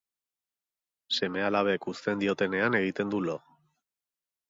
Seme-alabek uzten diotenean egiten du lo.